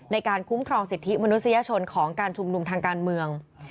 ในการคุ้มครองสิทธิมนุษยชนของการชุมนุมทางการเมือง